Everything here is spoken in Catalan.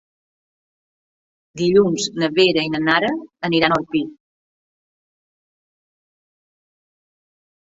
Dilluns na Vera i na Nara aniran a Orpí.